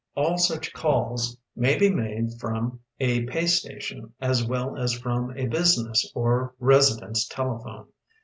“All such calls may be made from a pay station as well as from a business or resi dence telephone.